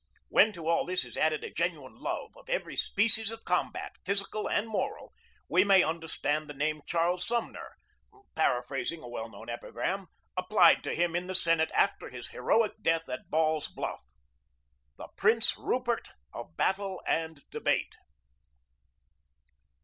When to all this is added a genuine love of every species of combat, physical and moral, we may understand the name Charles Sumner paraphrasing a well known epigram applied to him in the Senate, after his heroic death at Ball's Bluff, "the Prince Rupert of battle and debate."